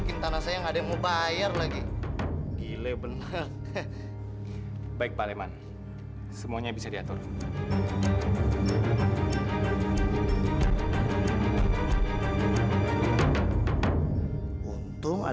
pipisnya ditemani sama